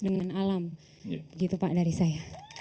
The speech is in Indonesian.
dengan alam gitu pak dari saya